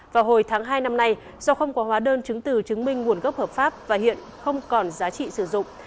vào hồi tháng hai năm nay do không có hóa đơn chứng từ chứng minh nguồn gốc hợp pháp và hiện không còn giá trị sử dụng